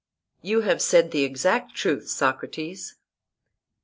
You have said the exact truth, Socrates.